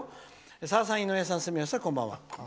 「さださん、井上さん、住吉さんこんばんは。